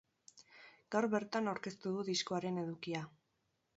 Gaur bertan aurkeztu du diskoaren edukia.